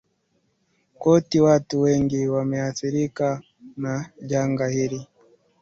kote watu wengi wameathirika na janga hili